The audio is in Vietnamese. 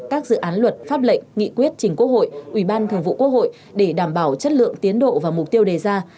các dự án luật pháp lệnh nghị quyết trình quốc hội ủy ban thường vụ quốc hội để đảm bảo chất lượng tiến độ và mục tiêu đề ra